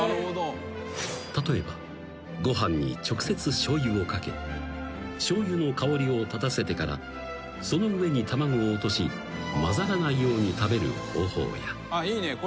［例えばご飯に直接しょうゆをかけしょうゆの香りを立たせてからその上に卵を落としまざらないように食べる方法や］